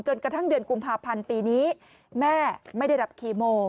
กระทั่งเดือนกุมภาพันธ์ปีนี้แม่ไม่ได้รับคีโม